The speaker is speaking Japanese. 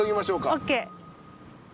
オッケー。